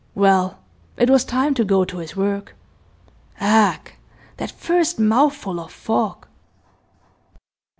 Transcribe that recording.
Well, it was time to go to his work. Ugh! That first mouthful of fog!